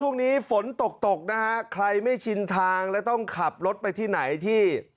ช่วงนี้ฝนตกตกนะฮะใครไม่ชินทางแล้วต้องขับรถไปที่ไหนที่